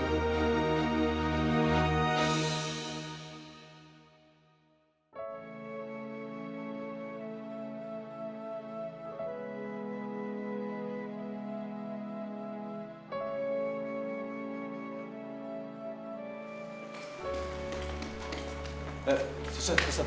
tidak ada yang bisa dikendalikan